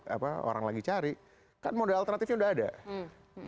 apa orang lagi cari kan modal alternatifnya udah ada